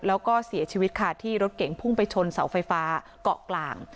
แล้วก็เสียชีวิตค่ะที่รถเก่งพุ่งไปชนเสาไฟฟ้าเกาะกลาง